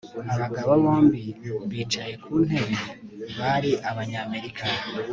Abagabo bombi bicaye ku ntebe bari Abanyamerika